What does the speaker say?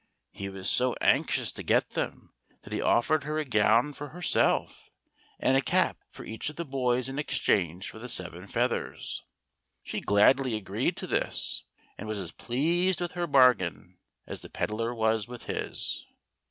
He was so anxious to get them, that he offered her a gown for herself and THE GOLDEN HEN. 59 a cap for each of the boys in exchange for the seven feathers. She gladly agreed to this, and was as pleased with her bargain as the pedlar was with his.